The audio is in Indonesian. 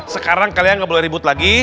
sekarang kalian nggak boleh ribut lagi